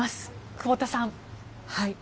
久保田さん。